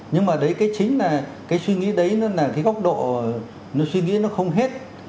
nhưng mà đấy chính là cái suy nghĩ đấy nó là cái góc độ suy nghĩ nó không hết